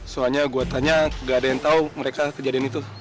soalnya gue tanya gak ada yang tahu mereka kejadian itu